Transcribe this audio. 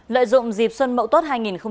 lợi dụng dịp xuân mậu tốt hai nghìn một mươi tám